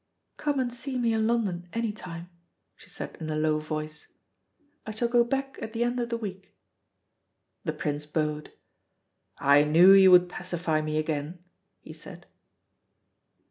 "Come and see me in London any time," she said in a low voice. "I shall go back at the end of the week." The Prince bowed. "I knew you would pacify me again," he said.